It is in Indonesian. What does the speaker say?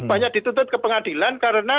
banyak dituntut ke pengadilan karena